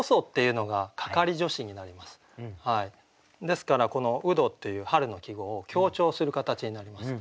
ですからこの「独活」っていう春の季語を強調する形になります。